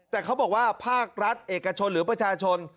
แต่เขาบอกว่าภาครัฐเอกชนหรือประชาชน